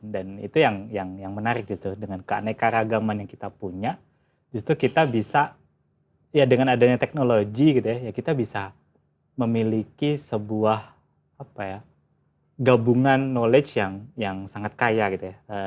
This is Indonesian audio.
dan itu yang menarik justru dengan keanekaragaman yang kita punya justru kita bisa ya dengan adanya teknologi gitu ya kita bisa memiliki sebuah gabungan knowledge yang sangat kaya gitu ya